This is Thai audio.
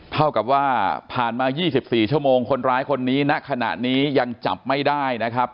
เท่ากับว่าผ่านมา๒๔ชั่วโมงคนร้ายคนนี้ณขณะนี้ยังจับไม่ได้นะครับ